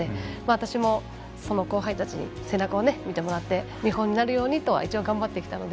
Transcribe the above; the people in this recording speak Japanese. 私もその後輩たちに背中を見てもらって見本になるようにとは一応、頑張ってきたので。